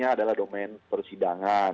ya kalau domain persidangan